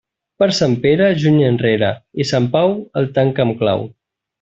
Per Sant Pere, juny enrere, i Sant Pau el tanca amb clau.